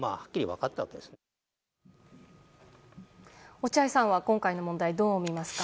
落合さんは今回の問題、どう見ますか？